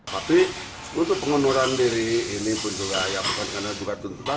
tapi untuk pengunduran diri ini pun juga ya bukan karena juga tuntutan